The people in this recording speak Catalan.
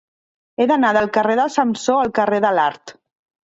He d'anar del carrer de Samsó al carrer de l'Art.